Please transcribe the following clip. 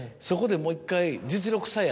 そこでもう１回。